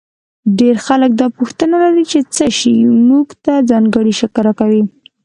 ډېر خلک دا پوښتنه لري چې څه شی موږ ته ځانګړی شکل راکوي.